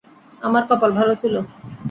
আমার কপাল ভালো ছিল।